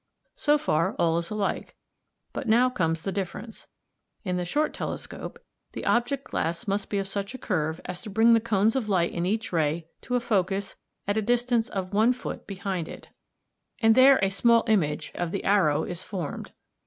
So far all is alike, but now comes the difference. In the short telescope A the object glass must be of such a curve as to bring the cones of light in each ray to a focus at a distance of one foot behind it, and there a small image i, i of the arrow is formed.